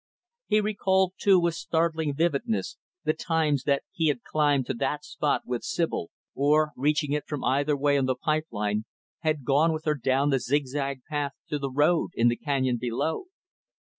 He recalled, too, with startling vividness, the times that he had climbed to that spot with Sibyl, or, reaching it from either way on the pipe line, had gone with her down the zigzag path to the road in the canyon below.